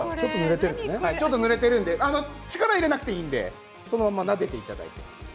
ちょっと、塗れているので力を入れなくていいのでそのままなでてください。